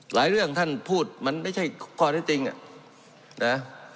หลายเรื่องท่านพูดมันไม่ใช่ความจริงเนี่ยนะ